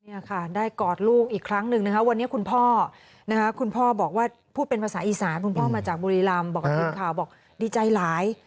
อีศาลคุณพ่อมาจากบุรีรามบอกคุณข่าวบอกดีใจหลาย